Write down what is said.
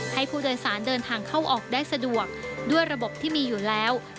ให้ผู้โดยสารเดินทางเข้าออกได้สะดวกด้วยระบบที่มีอยู่แล้ว